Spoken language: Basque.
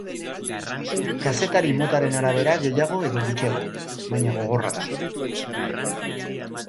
Kazetari motaren arabera gehiago edo gutxiago, baina, gogorra da.